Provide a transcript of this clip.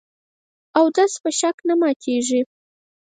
اودس په شک نه ماتېږي .